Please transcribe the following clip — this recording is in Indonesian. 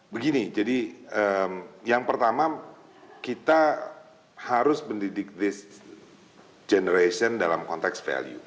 begini jadi yang pertama kita harus mendidik generation dalam konteks value